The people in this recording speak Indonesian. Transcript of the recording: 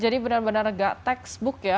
jadi benar benar gak textbook ya